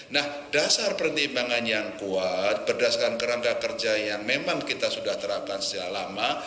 nah dasar pertimbangan yang kuat berdasarkan kerangka kerja yang memang kita sudah terapkan sejak lama